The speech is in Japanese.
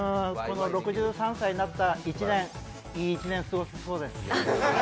６３歳になった一年、いい一年を過ごせそうです。